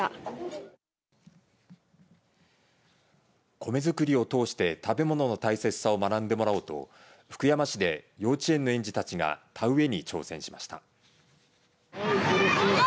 米作りを通して食べ物の大切さを学んでもらおうと福山市で幼稚園の園児たちが田植えに挑戦しました。